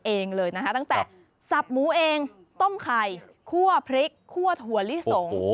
เองเลยนะคะตั้งแต่สับหมูเองต้มไข่คั่วพริกคั่วถั่วลิสง